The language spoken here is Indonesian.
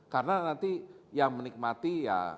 karena nanti yang menikmati ya